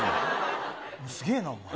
すげえな、お前。